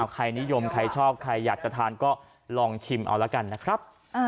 ใครนิยมใครชอบใครอยากจะทานก็ลองชิมเอาละกันนะครับ